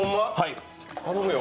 頼むよ。